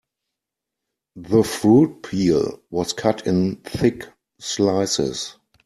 The fruit peel was cut in thick slices.